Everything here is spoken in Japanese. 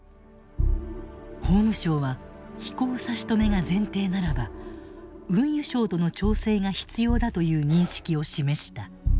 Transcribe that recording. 法務省は飛行差し止めが前提ならば運輸省との調整が必要だという認識を示した。